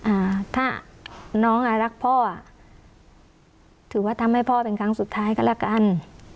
อ่าถ้าน้องอ่ะรักพ่ออ่ะถือว่าทำให้พ่อเป็นครั้งสุดท้ายก็แล้วกัน